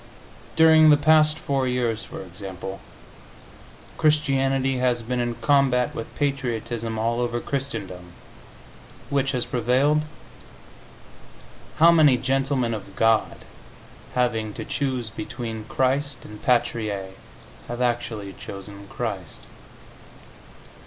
During the past four years, for example, Christianity has been in combat with patriotism all over Christendom. Which has prevailed? How many gentlemen of God, having to choose between Christ and Patrie, have actually chosen Christ?